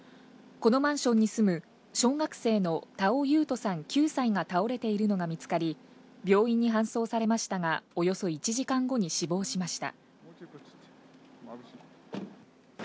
このマンションに住む小学生の田尾勇人さん、９歳が倒れているのが見つかり、病院に搬送されましたが、およそ１時間後に死亡しました。